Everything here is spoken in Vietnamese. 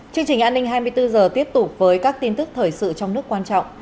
chương trình an ninh hai mươi bốn h tiếp tục với các tin tức thời sự trong nước quan trọng